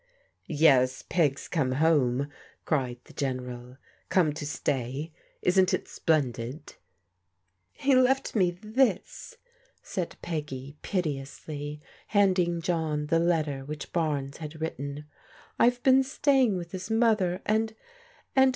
" Yes, Peg's come home," cried the General. *' Comt to stay. Isn't it splendid ?"" He left me this," said Peggy piteously, handing John the letter which Barnes had written. " I've been sta3ring with his mother, and — and.